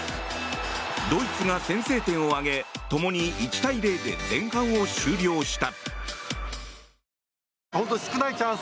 ドイツが先制点を挙げともに１対０で前半を終了した。